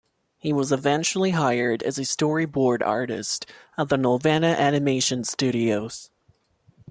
He was eventually hired as a storyboard artist at the Nelvana Animation Studios.